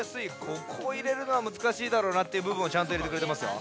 ここいれるのはむずかしいだろうなっていうぶぶんをちゃんといれてくれてますよ。